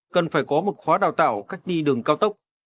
cần phải có một khóa đào tạo cách đi đường cao tốc